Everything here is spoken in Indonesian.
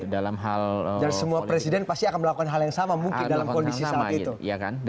dan semua presiden pasti akan melakukan hal yang sama mungkin dalam kondisi saat itu